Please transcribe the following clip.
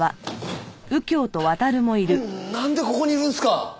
なんでここにいるんすか！？